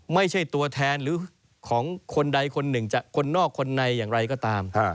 ไม่ใช่ตัวแทนหรือของคนใดคนหนึ่งจากคนนอกคนในอย่างไรก็ตาม